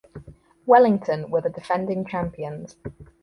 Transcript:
Wellington were the defending champions.